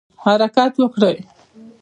حرکت وکړئ